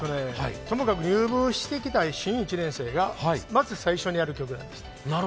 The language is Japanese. ともかく入部してきた新１年生が最初にやる曲なんです。